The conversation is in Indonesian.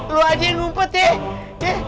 lu aja yang ngumpet ya